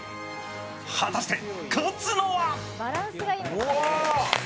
果たして勝つのは？